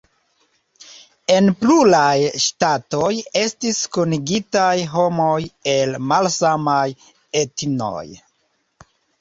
En pluraj ŝtatoj estis kunigitaj homoj el malsamaj etnoj.